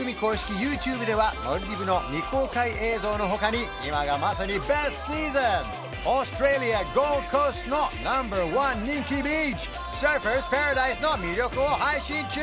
ＹｏｕＴｕｂｅではモルディブの未公開映像の他に今がまさにベストシーズンオーストラリアゴールドコーストのナンバーワン人気ビーチサーファーズパラダイスの魅力を配信中！